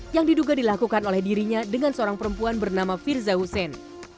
yang diduga dilakukan oleh dirinya dengan seorang perempuan bernama firza hussein